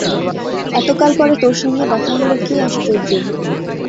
এতকাল পরে তোর সঙ্গে দেখা হল কী আশ্চর্য!